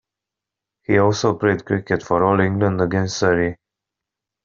He also played cricket, for All England against Surrey.